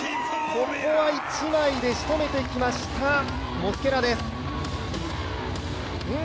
ここは一枚でしとめてきました、モスケラです。